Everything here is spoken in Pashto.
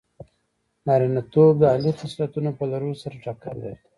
نارینتوب د عالي خصلتونو په لرلو سره ټکر لري.